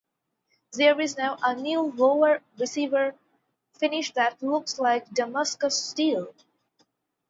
There is now a new lower receiver finish that looks like Damascus steel.